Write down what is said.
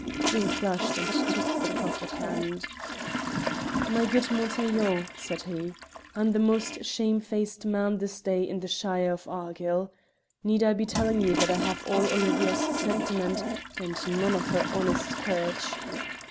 Doom flushed, and took the proffered hand. "My good Montaiglon," said he, "I'm the most shamefaced man this day in the shire of Argyll. Need I be telling you that I have all Olivia's sentiment and none of her honest courage?"